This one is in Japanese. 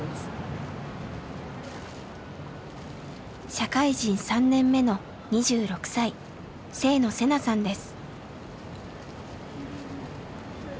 社会人３年目の２６歳制野世菜さんです。